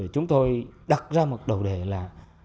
chúng tôi đặt ra một đầu đề là